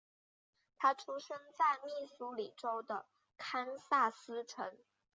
他出生在密苏里州的堪萨斯城。